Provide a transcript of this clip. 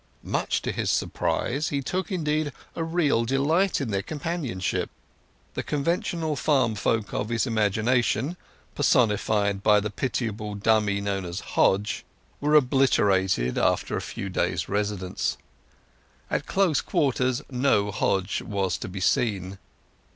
Much to his surprise he took, indeed, a real delight in their companionship. The conventional farm folk of his imagination—personified in the newspaper press by the pitiable dummy known as Hodge—were obliterated after a few days' residence. At close quarters no Hodge was to be seen.